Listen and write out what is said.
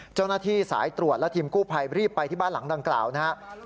เจ้าหน้าที่สายตรวจและทีมกู้ภัยรีบไปที่บ้านหลังดังกล่าวนะครับ